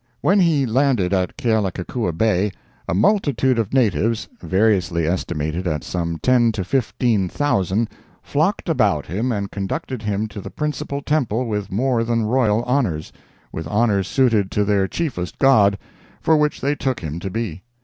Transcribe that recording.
When he landed at Kealakekua Bay, a multitude of natives, variously estimated at some ten to fifteen thousand, flocked about him and conducted him to the principal temple with more than royal honors—with honors suited to their chiefest god, for which they took him to be.